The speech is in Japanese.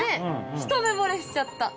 一目惚れしちゃった。